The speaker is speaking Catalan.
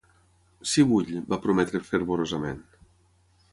"Sí vull", va prometre fervorosament.